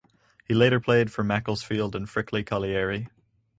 He later played for Macclesfield and Frickley Colliery.